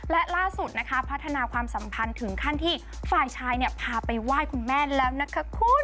และล่าสุดนะคะพัฒนาความสัมพันธ์ถึงขั้นที่ฝ่ายชายพาไปไหว้คุณแม่แล้วนะคะคุณ